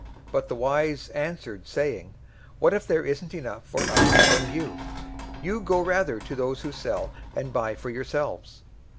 025:009 But the wise answered, saying, 'What if there isn't enough for us and you? You go rather to those who sell, and buy for yourselves.'